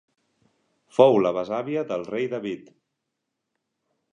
Fou la besàvia del Rei David.